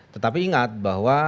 tetapi ingat bahwa